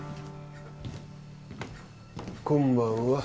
・こんばんは。